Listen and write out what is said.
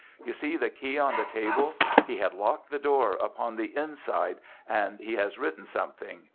You see the key on the table. He had locked the door upon the inside. And he has written something.